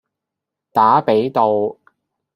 打比道